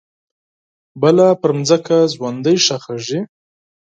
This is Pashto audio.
بله پرمځکه ژوندۍ ښخیږې